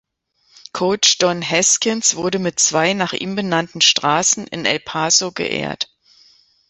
Coach Don Haskins wurde mit zwei nach ihm benannten Straßen in El Paso geehrt.